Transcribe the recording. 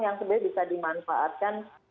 yang sebenarnya bisa dimanfaatkan